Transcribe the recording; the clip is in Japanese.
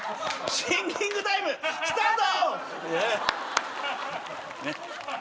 シンキングタイムスタート！